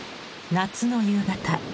夏の夕方。